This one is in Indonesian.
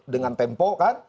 dengan tempo kan